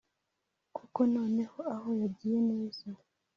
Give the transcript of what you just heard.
kuko noneho aho yagiye neza